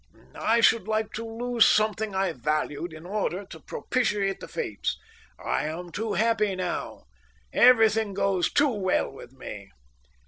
"I should like to lose something I valued in order to propitiate the fates. I am too happy now. Everything goes too well with me."